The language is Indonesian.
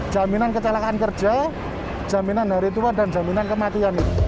jaminan kecelakaan kerja jaminan hari tua dan jaminan kematian